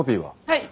はい。